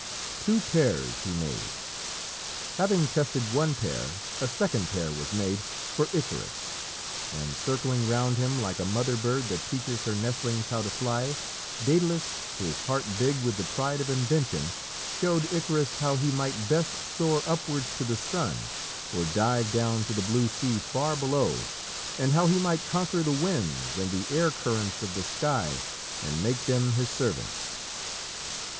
Two pairs he made; having tested one pair, a second pair was made for Icarus, and, circling round him like a mother bird that teaches her nestlings how to fly, Dædalus, his heart big with the pride of invention, showed Icarus how he might best soar upwards to the sun or dive down to the blue sea far below, and how he might conquer the winds and the air currents of the sky and make them his servants.